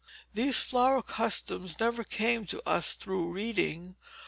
These flower customs never came to us through reading.